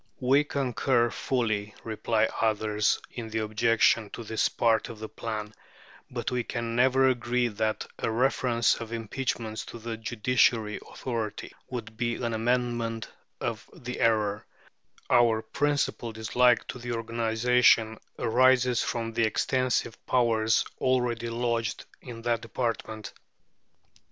We concur fully, reply others, in the objection to this part of the plan, but we can never agree that a reference of impeachments to the judiciary authority would be an amendment of the error; our principal dislike to the organization arises from the extensive powers already lodged in that department.